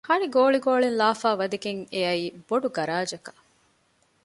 ހަނި ގޯޅި ގޯޅިން ލާފައި ވަދެގެން އެއައީ ބޮޑު ގަރާޖަކަށް